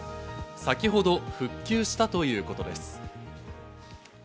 先ほど復旧したということです。